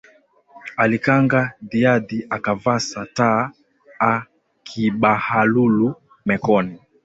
Alikanga dhiyadhi akavasa taa a kibahalulu mekoni